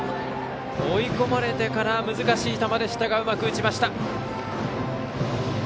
追い込まれてから難しい球でしたがうまく打ちました。